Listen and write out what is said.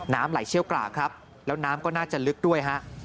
น้ำไหลเชี่ยวกรากครับแล้วน้ำก็น่าจะลึกด้วยฮะ